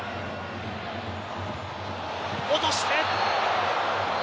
落として。